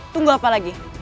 tunggu apa lagi